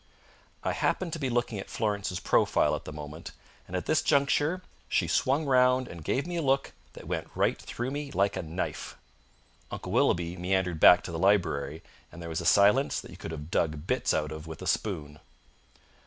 I happened to be looking at Florence's profile at the moment, and at this juncture she swung round and gave me a look that went right through me like a knife. Uncle Willoughby meandered back to the library, and there was a silence that you could have dug bits out of with a spoon.